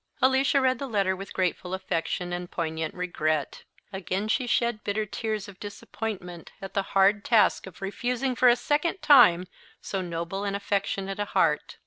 Alicia read the letter with grateful affection and poignant regret. Again she shed he bitter tears of disappointment, at the hard task of refusing for a second time so noble and affectionate a heart.